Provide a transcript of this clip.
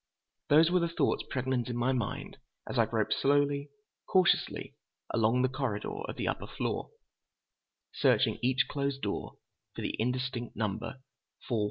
Those were the thoughts pregnant in my mind as I groped slowly, cautiously along the corridor of the upper floor, searching each closed door for the indistinct number 4167.